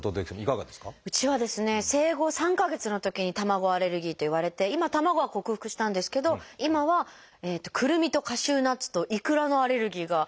うちはですね生後３か月のときに卵アレルギーと言われて今卵は克服したんですけど今はくるみとカシューナッツとイクラのアレルギーがあるんですよね。